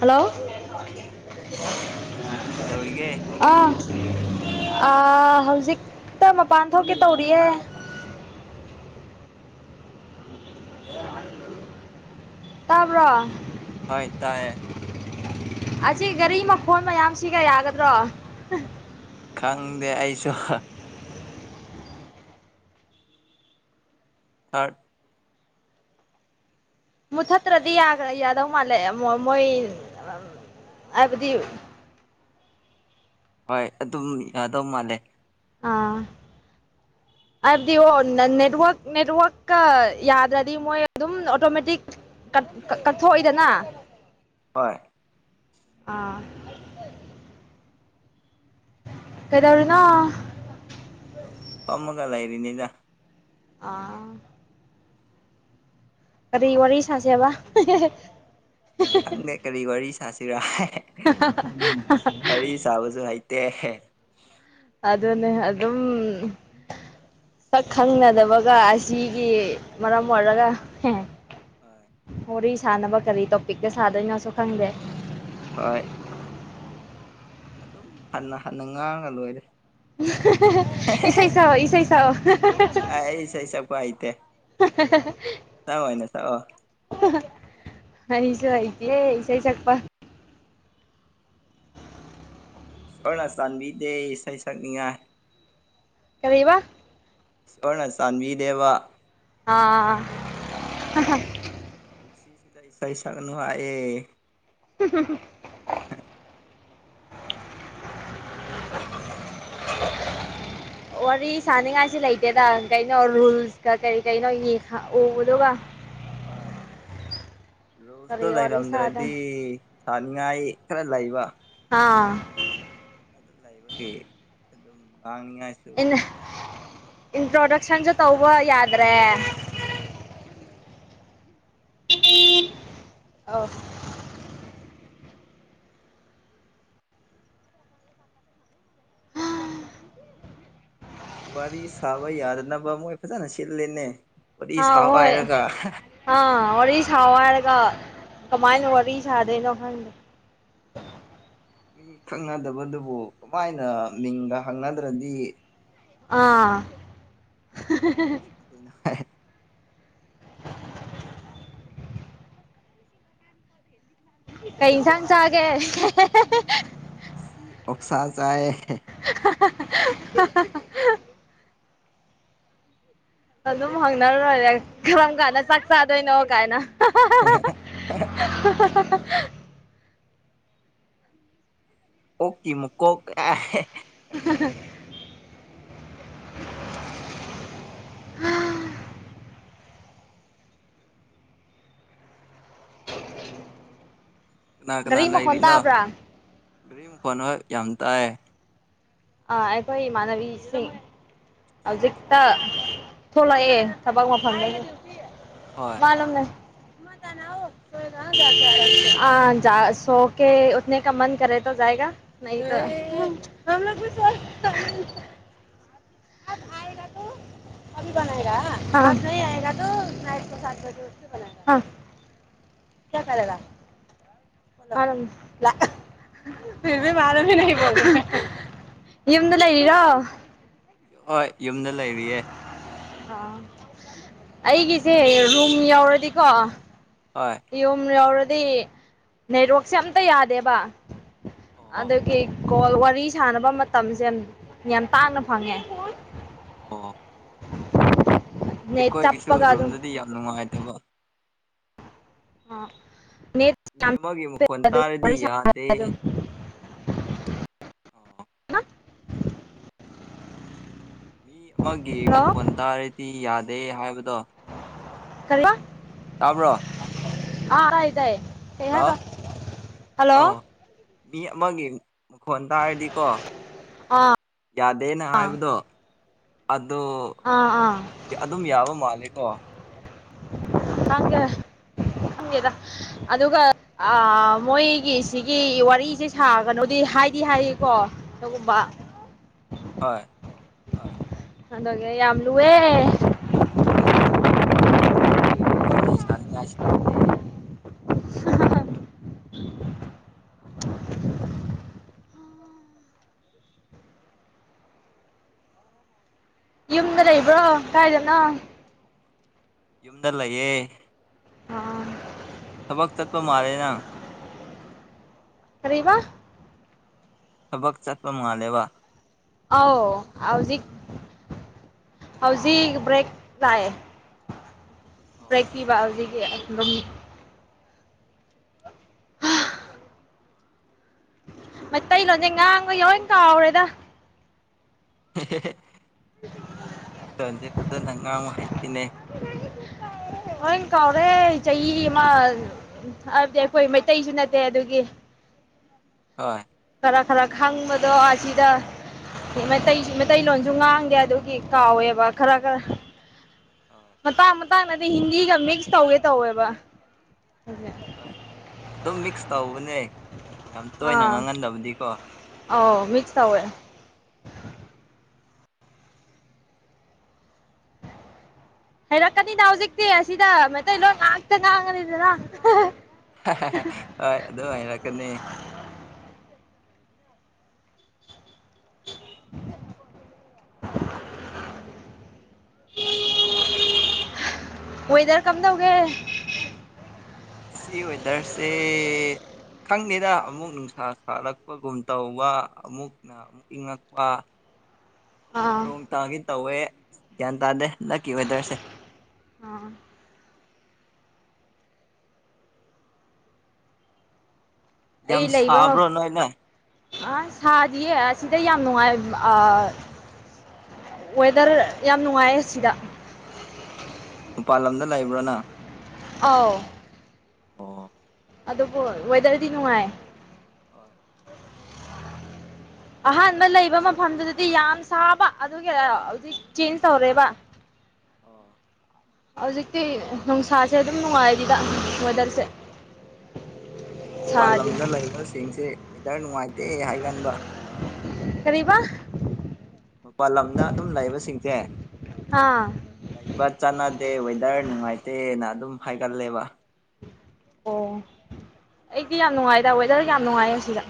Hello ꯑꯣ ꯀꯩꯗꯧꯔꯤꯒꯦ ꯑꯥ ꯍꯧꯖꯤꯛꯇ ꯃꯄꯥꯟ ꯊꯣꯛꯀꯦ ꯇꯧꯔꯤꯌꯦꯦ ꯇꯥꯕ꯭ꯔꯣ ꯍꯣꯏ ꯇꯥꯏꯌꯦ ꯑꯁꯤꯆ ꯒꯥꯔꯤ ꯃꯈꯣꯟ ꯃꯌꯥꯝ ꯁꯤꯒ ꯌꯥꯒꯗ꯭ꯔꯣ ꯈꯪꯗꯦ ꯑꯩꯁꯨ [unintelligible] ꯃꯨꯊꯠꯇ꯭ꯔꯗꯤ ꯌꯥ꯭ꯔ ꯌꯥꯗꯧ ꯃꯥꯜꯂꯦ ꯃꯣꯏ ꯍꯥꯏꯕꯗꯤ ꯍꯣꯏ ꯑꯗꯨꯝ ꯑꯗꯧ ꯃꯥꯂꯦ ꯑꯥ ꯍꯥꯏꯕꯗꯤ ꯑꯣ ꯅꯦꯠꯋꯛ ꯅꯦꯠꯋꯥꯛꯀ ꯌꯥꯗ꯭ꯔꯗꯤ ꯃꯣꯏ ꯑꯗꯨꯝ ꯑꯣꯇꯣꯃꯦꯇꯤꯛ ꯀꯠꯊꯣꯛꯏꯗꯅ ꯍꯣꯏ ꯑꯥ ꯀꯩꯗꯧꯔꯤꯅ ꯑꯗꯨꯝ ꯐꯝꯃꯒ ꯂꯩꯔꯤꯅꯦꯗ ꯑꯥ ꯀꯔꯤ ꯋꯥꯔꯤ ꯁꯥꯁꯦꯕ ꯈꯪꯗꯦ ꯀꯔꯤ ꯋꯥꯔꯤ ꯁꯥꯁꯤꯔ [unintelligible] [unintelligible] ꯑꯗꯨꯅꯦ ꯑꯗꯨꯝ ꯁꯛ ꯈꯪꯅꯗꯕꯒ ꯑꯁꯤꯒꯤ ꯃꯔꯝ ꯑꯣꯏꯔꯒ ꯍꯣꯏ ꯋꯥꯔꯤ ꯁꯥꯥꯟꯅꯕ ꯀꯔꯤ ꯇꯣꯄꯤꯛꯇ ꯁꯥꯗꯣꯏꯅꯣꯁꯨ ꯈꯪꯗꯦ ꯍꯣꯏ ꯑꯗꯨꯝ ꯍꯟꯅ ꯍꯟꯅ ꯉꯥꯡꯉ ꯂꯣꯏꯔꯦ ꯏꯁꯩ ꯁꯛꯑꯣ ꯏꯁꯩ ꯁꯛꯑꯣ ꯑꯩ ꯏꯁꯩ ꯁꯛꯄ ꯍꯩꯇꯦ ꯅꯪ ꯑꯣꯏꯅ ꯁꯛꯑꯣ ꯑꯩꯁꯨ ꯍꯥꯏꯏꯇꯦ ꯏꯁꯥꯏ ꯆꯛꯄ ꯑꯣꯅ ꯆꯥꯟꯕꯤꯗꯦ ꯏꯁꯩ ꯁꯛꯅꯤꯡꯉꯥꯏ ꯀꯔꯤꯕ ꯏꯁꯣꯔꯅ ꯆꯥꯟꯕꯤ ꯗꯦꯕ ꯑꯥ ꯏꯁꯩ ꯁꯛꯅꯨ ꯍꯥꯏꯌꯦ [unintelligible] ꯋꯥꯔꯤ ꯁꯥꯟꯅꯤꯡꯉꯥꯏꯁꯤ ꯂꯩꯇꯦꯗ ꯀꯩꯅꯣ ꯔꯨꯜꯁꯀ ꯀꯔꯤ ꯀꯩꯅꯣ ꯎꯕꯗꯒ ꯍꯣꯏ ꯔꯨꯜꯗꯣ ꯀꯔꯤ ꯋꯥꯔꯤ ꯂꯩꯔꯗ꯭ꯔꯗꯤ ꯁꯥꯗꯣꯏ ꯆꯥꯅꯤꯡꯉꯥꯏ ꯈꯔ ꯂꯩꯕ ꯑꯥ ꯑꯗꯨ ꯂꯩꯕꯒꯤ ꯑꯗꯨꯝ ꯇꯅꯤꯉꯥꯏꯁꯨ ꯏꯟ ꯏꯟꯇ꯭ꯔꯣꯗꯛꯁꯟꯁꯨ ꯇꯧꯕ ꯌꯥꯗ꯭ꯔꯦ ꯍꯣꯏ [unintelligible] ꯋꯥꯔꯤ ꯁꯥꯕ ꯌꯥꯗꯅꯕ ꯃꯣꯏ ꯐꯖꯅ ꯁꯤꯂꯦꯅꯦ ꯑ ꯍꯣꯏ ꯑ ꯋꯥꯔꯤ ꯁꯥ ꯍꯥꯏꯔꯒ ꯀꯃꯥꯏꯅ ꯋꯥꯔꯤ ꯁꯥꯗꯣꯏꯅꯣ ꯈꯪꯗꯦ ꯃꯤ ꯈꯪꯅꯗꯕꯗꯨꯕꯨ ꯀꯃꯥꯏꯅ ꯃꯤꯡꯒ ꯍꯪꯅꯗ꯭ꯔꯗꯤ ꯑꯥ ꯀꯃꯥꯏ ꯅ ꯋꯥꯔꯤ ꯋꯥꯔꯤ ꯁꯥ ꯅꯉꯥꯏ ꯀꯩ ꯊꯥꯡ ꯆꯥꯒꯦ ꯃꯁꯤꯁꯤ ꯑꯣꯞꯁꯥ ꯆꯥꯏ [unintelligible] ꯑꯜ ꯍꯪꯅꯔ ꯌꯥ ꯪꯒꯂ ꯍꯣꯏ ꯆꯥꯛ ꯆꯥꯗꯣꯏꯩꯅꯣ ꯀꯥꯏꯅ [unintelligible] ꯌꯥꯎ ꯑꯣꯀꯤ ꯃꯨ ꯀꯣ ꯑ ꯒꯥꯔꯤ ꯃꯈꯣꯟ ꯇꯥꯕ꯭ꯔꯥ ꯔꯤ ꯐꯣꯟ ꯀꯝ ꯇꯑ ꯑꯥ ꯑꯩꯈꯣꯏ ꯏꯃꯥꯟꯅꯕꯤꯁꯤꯡ ꯍꯧꯖꯤꯛꯇ ꯊꯣꯛꯂꯛꯑꯦ ꯊꯕꯛ ꯃꯐꯝꯅꯦ ꯍꯣꯏ ꯃꯥꯂꯝꯅꯦ ꯁꯣꯀꯦ ꯎꯅꯦ ꯀ ꯃꯟꯦꯒ ꯑꯥꯏ ꯁꯥ ꯀꯌꯥꯦ ꯐ ꯃꯥꯂꯣ ꯌꯨꯝꯗ ꯂꯩ ꯂꯩꯔꯤꯔꯣ ꯍꯣꯏ ꯌꯨꯝꯗ ꯂꯩꯔꯤꯌꯦꯦ ꯑ ꯑꯩꯒꯤꯁꯦ ꯔꯨꯝ ꯌꯥꯎꯔꯗꯤꯀꯣ ꯍꯣꯏ ꯌꯝꯔ ꯍꯥꯏꯗꯤ ꯅꯦꯠꯋꯥꯛꯁꯦ ꯑꯝꯇ ꯌꯥꯗꯦꯕ ꯑ ꯑꯣ ꯀꯦ ꯒꯣꯜ ꯋꯥꯔꯤ ꯁꯥꯟꯅꯕ ꯃꯇꯝꯁꯦ ꯌꯥꯝ ꯌꯥꯝ ꯇꯥꯡꯅ ꯐꯪꯉꯦ ꯑꯣ ꯅꯦꯠ ꯑꯩꯈꯣꯏꯒꯤꯁꯨ ꯆꯞꯄꯒ ꯑꯗꯨꯝ ꯔꯣꯝꯗꯗꯤ ꯌꯥꯝ ꯅꯨꯡꯉꯥꯏꯇꯕ ꯑ [inaudible] ꯃꯤ ꯍꯅ ꯑꯃꯒꯤ ꯃꯈꯣꯟ ꯇꯥꯔꯗꯤ ꯌꯥꯗꯦ ꯑꯣ ꯃꯤ ꯃꯥꯒꯤ ꯍꯜꯂꯣ ꯃꯈꯈ ꯑꯟꯇ ꯔꯦꯗꯤ ꯌꯥꯗ ꯑꯦ ꯍꯥꯏꯕꯗꯣ ꯀꯔꯤꯌꯥ ꯇꯥꯕ꯭ꯔꯣ ꯑꯔꯥꯏꯗꯦ ꯍꯜꯂꯣ ꯉ ꯍꯜꯂꯣ ꯑꯣ ꯃꯤ ꯃꯥꯒꯤ ꯃꯈꯣꯟ ꯇꯥꯔꯗꯤꯀꯣ ꯑꯥ ꯌꯥꯗꯦꯅ ꯑꯥ ꯍꯥꯏꯕꯗꯣ ꯑꯗꯨ ꯑꯥ ꯑꯥ ꯑꯗꯣ ꯑꯗꯨꯝ ꯌꯥꯕ ꯃꯥꯜꯂꯦ ꯑ ꯈꯪꯒꯦ ꯈꯪꯒꯦꯗ ꯑꯗꯨꯒ ꯃꯣꯏꯒꯤ ꯁꯤꯒꯤ ꯋꯥꯔꯤꯁꯦ ꯁꯥꯒꯅꯨꯗꯤ ꯍꯥꯏꯗꯤ ꯍꯥꯏꯌꯦꯀꯣ ꯑꯗꯨꯒꯨꯝꯕ ꯍꯣꯏ ꯍꯣꯏ ꯑꯗꯒꯦ ꯌꯥꯝ ꯌꯥꯝ ꯂꯨꯋꯦ ꯋꯦ ꯋꯥꯔꯤꯔꯗꯤ ꯁꯅ ꯌꯨꯝꯗ ꯂꯩꯕ꯭ꯔꯣ ꯀꯥꯏꯗꯅꯣ ꯌꯨꯝꯗ ꯂꯩꯌꯦ ꯑꯥ ꯊꯕꯛ ꯆꯠꯄ ꯃꯥꯜꯂꯦꯅꯪ ꯀꯔꯤꯕ ꯊꯕꯛ ꯆꯠꯄ ꯃꯉꯂꯦꯕ ꯑꯧ ꯍꯧꯖꯤꯛ ꯍꯧꯖꯤꯛ ꯕ꯭ꯔꯦꯛ ꯂꯥꯛꯑꯦ ꯑꯣ ꯕ꯭ꯔꯦꯛ ꯄꯤꯕ ꯍꯧꯖꯤꯛꯀꯤ ꯑꯗꯨꯝ ꯃꯩꯇꯩ ꯂꯣꯟꯁꯦ ꯉꯥꯡꯕ ꯂꯣꯢ ꯀꯥꯎꯔꯦꯗ ꯍꯦꯍꯦꯍꯦ ꯂꯣꯟꯁꯦ ꯐ ꯑꯗꯨ ꯅꯪ ꯉꯥꯡꯨ ꯍꯥꯏꯇꯦꯅꯦ ꯍ ꯀꯥꯎꯔꯦ ꯆꯍꯤ ꯑꯃ ꯍꯥꯏꯕꯗꯤ ꯑꯩꯈꯣꯏ ꯃꯩꯇꯩꯁꯨ ꯅꯠꯇꯦ ꯑꯗꯨꯒꯤ ꯍꯣꯏ ꯈꯔ ꯈꯔ ꯈꯪꯕꯗꯣ ꯑꯁꯤꯗ ꯃꯩꯇꯩꯂꯣꯟꯁꯨ ꯉꯥꯡꯗꯦ ꯑꯗꯨꯒꯤ ꯀꯥꯎꯋꯦꯕ ꯈꯔ ꯈꯔ ꯍꯣꯏ ꯃꯇꯥꯡ ꯃꯇꯥꯡꯅꯗꯤ ꯍꯤꯟꯗꯤꯒ ꯃꯤꯛꯁ ꯇꯧꯋꯦ ꯇꯧꯋꯦꯕ ꯍꯣꯏ ꯑꯗꯨꯝ ꯃꯤꯛꯁ ꯇꯧꯕꯅꯦ ꯌꯥꯝ ꯇꯣꯏꯅ ꯑꯥ ꯉꯥꯡꯍꯟꯗꯕꯗꯤꯀꯣ ꯑꯧ ꯃꯤꯛꯁ ꯇꯧꯋꯦ ꯍꯩꯔꯛꯀꯅꯤꯗ ꯍꯧꯖꯤꯛꯇꯤ ꯑꯁꯤꯗ ꯃꯩꯇꯩ ꯂꯣꯏ ꯉꯥꯛꯇ ꯉꯥꯡꯉꯅꯤꯗꯅ ꯍꯍꯍ ꯍꯣꯢ ꯑꯗꯨꯝ ꯍꯩꯏꯔꯀꯅꯤ ꯑꯣꯏꯋꯦꯗꯔ ꯀꯝꯗꯧꯒꯦ ꯁꯤ ꯋꯦꯗꯔꯁꯦ ꯈꯪꯗꯦꯗ ꯑꯃꯨꯛ ꯅꯨꯡꯁꯥ ꯁꯥꯠꯂꯛꯄꯒꯨꯝ ꯇꯧꯕ ꯑꯃꯨꯛꯅ ꯑꯃꯨꯛ ꯏꯪꯉꯛꯄ ꯑꯃꯨꯛ ꯑꯥ ꯅꯣꯡ ꯇꯥꯒꯤ ꯇꯧꯋꯦ ꯒ꯭ꯌꯥꯟ ꯇꯥꯗꯦ ꯅꯀꯤ ꯋꯦꯗꯔꯁꯦ ꯑꯥ ꯌꯥꯝ ꯑꯩ ꯂꯩꯕ ꯁꯥꯕ꯭ꯔꯣ ꯅꯣꯏꯅꯦ ꯑ ꯁꯥꯗꯤꯌꯦ ꯑꯁꯤꯗ ꯌꯥꯝ ꯅꯨꯡꯉꯥꯏ ꯋꯦꯗꯔ ꯌꯥꯝ ꯅꯨꯡꯉꯥꯏꯌꯦ ꯑꯁꯤꯗ ꯑꯣ ꯃꯄꯥꯟ ꯂꯝꯗ ꯂꯩꯕ꯭ꯔꯥꯅ ꯑꯥꯎ ꯑꯗꯨꯕꯨ ꯋꯦꯗꯔꯗꯤ ꯅꯨꯡꯉꯥꯏ ꯍꯣꯏ ꯑꯍꯥꯟꯕ ꯂꯩꯕ ꯃꯐꯝꯗꯨꯗꯗꯤ ꯌꯥꯝ ꯁꯥꯕ ꯑꯗꯨꯒꯤ ꯑꯗꯨ ꯆꯦꯟꯖ ꯇꯧꯔꯦꯕ ꯑꯣ ꯍꯧꯖꯤꯛꯇꯤ ꯅꯨꯡꯁꯥꯁꯦ ꯑꯗꯨꯝ ꯅꯨꯡꯉꯥꯏꯔꯤꯗ ꯃꯣꯗꯦꯜꯁꯦ ꯃꯄꯥꯥꯟ ꯂꯝꯗ ꯂꯩꯕꯁꯤꯡꯁꯦ ꯗ ꯅꯨꯡꯉꯥꯏꯇꯦ ꯍꯥꯏꯒꯟꯕ ꯀꯔꯤꯕ ꯃꯄꯥꯜ ꯂꯝꯗ ꯑꯗꯨꯝ ꯂꯩꯕꯁꯤꯡꯁꯦ ꯎꯝ ꯑꯥ ꯂꯩꯕ ꯆꯥꯟꯅꯗꯦ ꯋꯦꯗꯔ ꯅꯨꯡꯉꯥꯏꯇꯦꯅ ꯑꯗꯨꯝ꯫ ꯍꯥꯏꯒꯜꯂꯦꯕ꯫ ꯑꯣ ꯑꯩꯗꯤ ꯌꯥꯝ ꯅꯨꯡꯉꯥꯏꯗ ꯋꯦꯗꯔ ꯌꯥꯝ ꯅꯨꯡꯉꯥꯏꯌꯦ ꯁꯤꯗ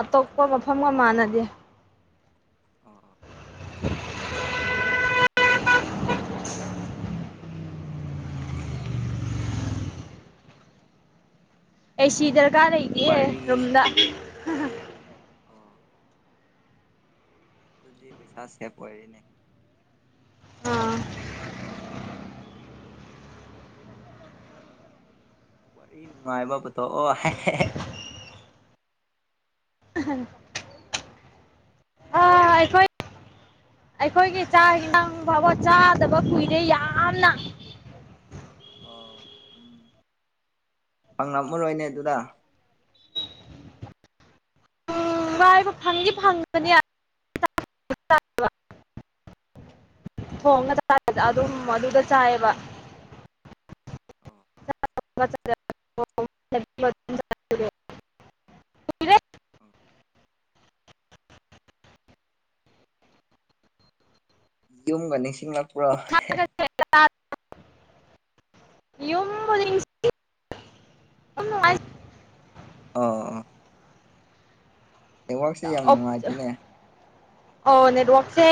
ꯑꯇꯣꯞꯄ ꯃꯐꯝꯒ ꯃꯥꯟꯅꯗꯦ꯫ ꯑꯥ [inaudible] ꯑꯦꯁꯤꯗꯔ꯫ ꯀꯥ ꯂꯩꯇꯦ ꯋꯥꯔꯤ ꯔꯨꯝꯗ꯫ ꯍ ꯍ꯫ ꯑꯣ꯫ ꯑꯗꯨꯗꯤ ꯄꯩꯁꯥ ꯁꯦꯞ ꯑꯣꯏꯔꯦꯅꯦ꯫ ꯑ꯫ ꯋꯥꯔꯤ ꯅꯨꯡꯉꯥꯏꯕ ꯄꯨꯇꯣꯛꯑꯣ ꯍꯦ ꯍꯦ꯫ [unintelligible] ꯑꯩꯈꯣꯏ ꯑꯩꯈꯣꯏꯒꯤ ꯆꯥꯛ ꯍꯦꯟꯁꯥꯡ ꯐꯥꯎꯕ ꯆꯥꯗꯕ ꯀꯨꯏꯔꯦ ꯌꯥꯝꯅ꯫ ꯐꯪꯉꯛꯃꯔꯣꯏꯅꯦ ꯑꯗꯨꯗ꯫ ꯎꯝ ꯋꯥꯏꯕ ꯐꯪꯗꯤ ꯐꯪꯕꯅꯦ [inaudible] ꯑꯣ ꯊꯣꯡꯉ [unintelligible] ꯑꯗꯨꯝ ꯑꯗꯨꯗ ꯆꯥꯏꯑꯦꯕ꯫ ꯑꯣ ꯑꯣ [inaudible] ꯌꯨꯝꯒ ꯅꯤꯡꯁꯤꯡꯂꯛꯄ꯭ꯔꯣ꯫ ꯀꯨꯏꯔꯦ ꯌꯨꯝꯕꯨꯗꯤ [inaudible] [unintelligible] ꯑꯣ ꯑꯣ꯫ ꯅꯦꯋꯥꯛꯁꯦ ꯌꯥꯝ ꯅꯨꯡꯉꯥꯏꯇꯦꯅꯦ꯫ ꯑꯣ ꯅꯦꯠꯋꯛꯁꯦ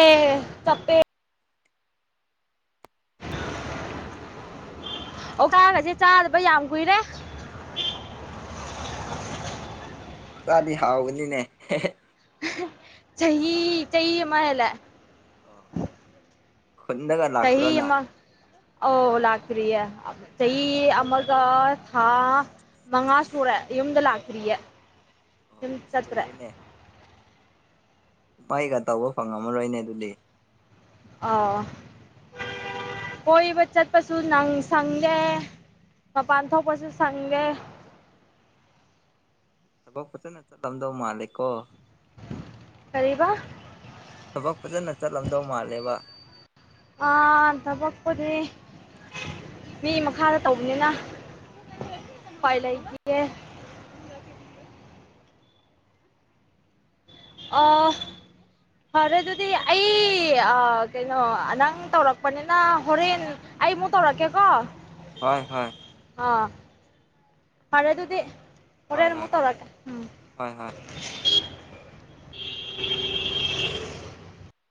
ꯆꯞꯄꯦ꯫ ꯑꯣꯁꯥꯒꯁꯦ ꯆꯥꯗꯕ ꯌꯥꯝ ꯀꯨꯏꯔꯦ꯫ ꯑꯣ ꯆꯥꯗꯤ ꯍꯥꯎꯅꯤꯅꯦ ꯍꯦ ꯍꯦ꯫ ꯆꯍꯤ ꯆꯍꯤ ꯑꯃ ꯍꯦꯜꯂꯦ꯫ ꯑꯣ꯫ ꯈꯨꯟꯗꯒ ꯂꯥꯛꯇ꯭ꯔꯣ ꯅ꯫ ꯑꯣ ꯂꯥꯛꯇ꯭ꯔꯤꯌꯦ ꯆꯍꯤ ꯑꯃꯒ ꯊꯥ ꯃꯉꯥ ꯁꯨꯔꯦ ꯌꯨꯝꯗ ꯂꯥꯛꯇ꯭ꯔꯤꯌꯦ꯫ ꯑꯣ [unintelligible] ꯑꯁ ꯆꯠꯇ꯭ꯔꯦ꯫ ꯚꯥꯏꯒ ꯇꯧꯕ ꯐꯪꯉꯝꯃꯔꯣꯏꯅꯦ ꯑꯗꯨꯗꯤ꯫ ꯑꯣ ꯀꯣꯏꯕ ꯆꯠꯄꯁꯨ ꯅꯪ ꯁꯪꯗꯦ ꯃꯄꯥꯟ ꯊꯣꯛꯄꯁꯨ ꯁꯪꯗꯦ꯫ ꯐꯖꯅ ꯆꯠꯂꯝꯗꯧ ꯃꯥꯜꯂꯦꯀꯣ꯫ ꯀꯔꯤꯕ꯫ ꯊꯕꯛ ꯐꯖꯅ ꯆꯠꯂꯝꯗꯧ ꯃꯥꯜꯂꯦꯕ ꯑꯥ ꯊꯕꯛꯄꯨꯗꯤ ꯃꯤ ꯃꯈꯥꯗ ꯇꯧꯕꯅꯤꯅ꯫ [inaudible] ꯄꯥꯏ ꯂꯩꯇꯤꯌꯦ꯫ ꯑꯣ ꯐꯔꯦ ꯑꯗꯨꯗꯤ ꯑꯩ ꯑ ꯀꯩꯅꯣ ꯅꯪ ꯇꯧꯔꯛꯄꯅꯤꯅ ꯍꯣꯔꯦꯟ ꯑꯩꯃꯨꯛ ꯇꯧꯔꯛꯀꯦꯀꯣ꯫ ꯍꯣꯏ ꯍꯣꯏ꯫ ꯑꯥ ꯐꯔꯦ ꯑꯗꯨꯗꯤ꯫ ꯍꯣꯏ ꯍꯣꯔꯦꯟ ꯍꯣꯏ ꯑꯃꯨꯛ ꯍꯣꯏ ꯇꯧꯔꯛꯀꯦ ꯎꯝ꯫ ꯍꯣꯏ ꯍꯣꯏ [inaudible]